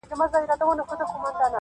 په رقيب چي مي اختر دي-